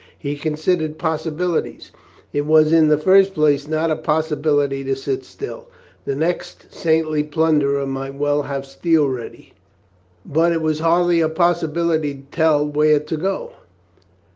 He considered possibilities. It was in the first place not a possibility to sit still. The next saintly plunderer might well have steel ready. But 418 A HUSBAND OR SO 419 it was hardly a possibility to tell where to go.